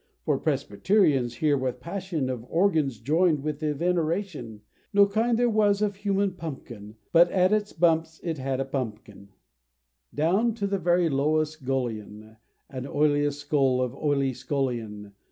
For Presbyterians hear with passion Of organs joined with veneration. No kind there was of human pumpkin But at its bumps it had a bumpkin; Down to the very lowest gullion, And oiliest skull of oily scullion.